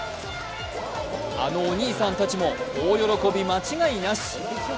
あのお兄さんたちも大喜び間違いなし。